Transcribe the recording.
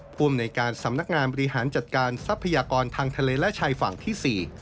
ภูมิในการสำนักงานบริหารจัดการทรัพยากรทางทะเลและชายฝั่งที่๔